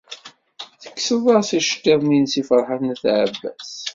Tekkseḍ-as iceḍḍiḍen-nnes i Ferḥat n At Ɛebbas.